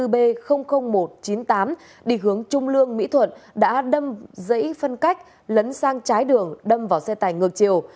hai mươi b một trăm chín mươi tám đi hướng trung lương mỹ thuận đã đâm giấy phân cách lấn sang trái đường đâm vào xe tải ngược chiều